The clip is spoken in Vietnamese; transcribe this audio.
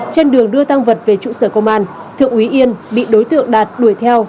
trên đường đưa tăng vật về trụ sở công an thượng úy yên bị đối tượng đạt đuổi theo